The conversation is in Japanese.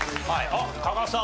あっ加賀さん